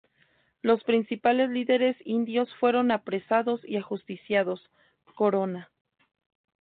Los principales líderes indios fueron apresados y ajusticiados, Corona.